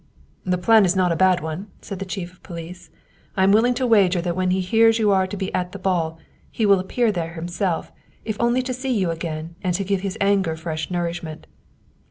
" The plan is not a bad one," said the chief of police.' " I am willing to wager that when he hears you are to be at the ball, he will appear there himself, if only to see you again and to give his anger fresh nourishment.